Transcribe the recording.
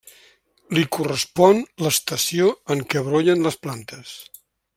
Li correspon l'estació en què brollen les plantes.